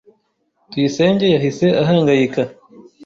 Tuyisenge yahise ahangayika.